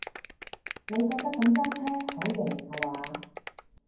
你覺得噉揸車好型下話？